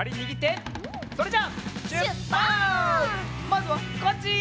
まずはこっち！